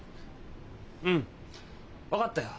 うん分かったよ。